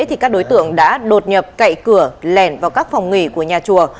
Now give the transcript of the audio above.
thì các đối tượng đã đột nhập cậy cửa lẻn vào các phòng nghỉ của nhà chùa